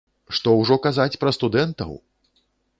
Што ўжо казаць пра студэнтаў!